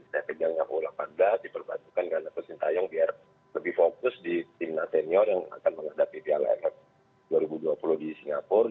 saya pegangnya u delapan belas diperbantukan ganda sintayong biar lebih fokus di timnas senior yang akan menghadapi piala aff dua ribu dua puluh di singapura